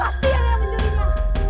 pasti ada yang menjurinya